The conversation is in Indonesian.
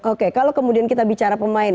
oke kalau kemudian kita bicara pemain